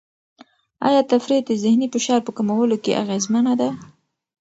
آیا تفریح د ذهني فشار په کمولو کې اغېزمنه ده؟